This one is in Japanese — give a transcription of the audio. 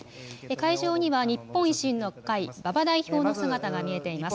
会場には日本維新の会、馬場代表の姿が見えています。